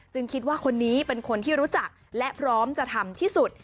คิดว่าคนนี้เป็นคนที่รู้จักและพร้อมจะทำที่สุด